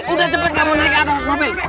udah cepet kamu naik ke atas mobil